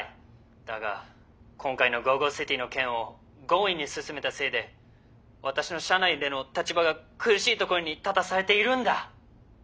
だが今回のＧＯＧＯＣＩＴＹの件を強引に進めたせいで私の社内での立場が苦しいところに立たされているんだ。